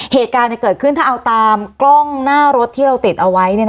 เหตุการณ์เกิดขึ้นถ้าเอาตามกล้องหน้ารถที่เราติดเอาไว้